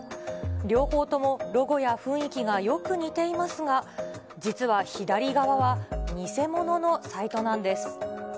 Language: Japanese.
両方ともロゴや雰囲気がよく似ていますが、実は左側は偽物のサイトなんです。